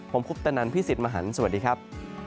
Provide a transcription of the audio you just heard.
ผมคุปตะนันพี่สิทธิ์มหันฯสวัสดีครับ